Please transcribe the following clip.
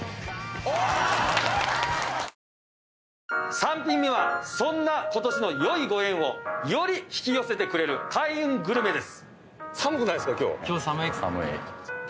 ３品目はそんなことしの良いご縁をより引き寄せてくれる開運グルメです。